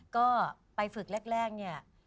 ก็ไปฝึกแรกเนี่ย